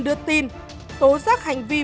đưa tin tố giác hành vi